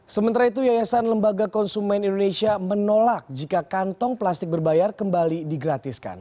sementara itu yayasan lembaga konsumen indonesia menolak jika kantong plastik berbayar kembali digratiskan